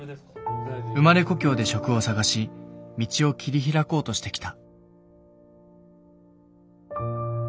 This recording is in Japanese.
生まれ故郷で職を探し道を切り開こうとしてきた。